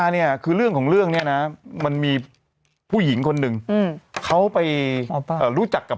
เดี๋ยวเขาหนัวเขาขายของอีกไปเหอะ